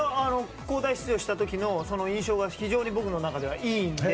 交代出場した時の印象が非常に僕の中ではいいので。